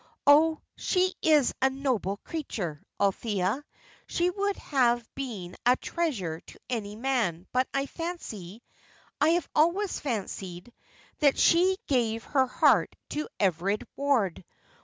Oh, she is a noble creature, Althea! She would have been a treasure to any man, but I fancy I have always fancied that she gave away her heart to Everard Ward.